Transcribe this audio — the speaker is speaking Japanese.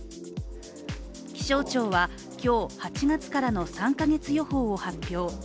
気象庁は、今日８月からの３カ月予報を発表。